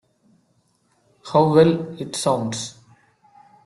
How well it sounds!